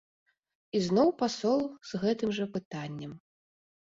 Ізноў пасол з гэтым жа пытаннем.